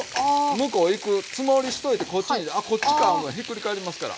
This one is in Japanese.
向こう行くつもりしといてこっちにあこっちかひっくり返りますから。